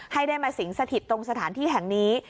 ให้ได้มาสิงสถิตตรงสถานที่แห่งนี้